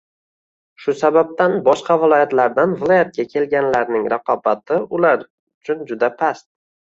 Shu sababdan, boshqa viloyatlardan viloyatga kelganlarning raqobati ular uchun juda past